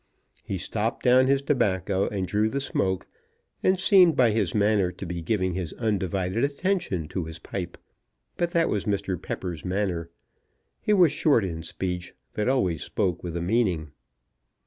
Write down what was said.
He stopped down his tobacco, and drew the smoke, and seemed by his manner to be giving his undivided attention to his pipe. But that was Mr. Pepper's manner. He was short in speech, but always spoke with a meaning.